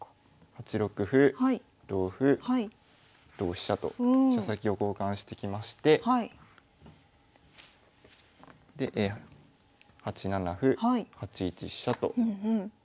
８六歩同歩同飛車と飛車先を交換してきましてで８七歩８一飛車と進みます。